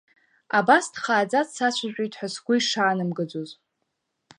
Абас дхааӡа дсацәажәоит ҳәа сгәы ишаанамгаӡоз.